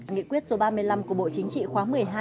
nghị quyết số ba mươi năm của bộ chính trị khóa một mươi hai